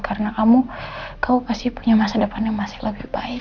karena kamu pasti punya masa depan yang masih lebih baik